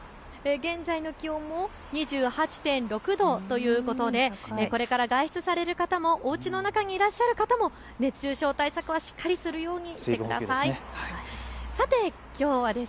現在の気温も２８．６度ということでこれから外出される方もおうちの中にいらっしゃる方も熱中症対策はしっかりするようにしてください。